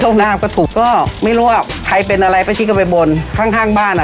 โฆ่งหน้าก็ถูกก็ไม่รู้ว่าใครเป็นอะไรไปที่กันไปบนข้างทางบ้านอะ